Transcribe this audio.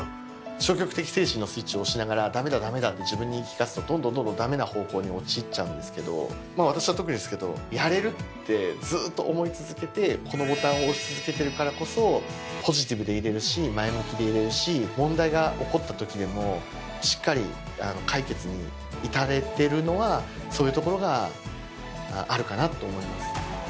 消極的精神のスイッチを押しながら「駄目だ駄目だ」って自分に言い聞かすとどんどんどんどん駄目な方向に陥っちゃうんですけど私は特にですけど「やれる」ってずっと思い続けてこのボタンを押し続けてるからこそポジティブでいれるし前向きでいれるし問題が起こったときでもしっかり解決に至れてるのはそういうところがあるかなと思います。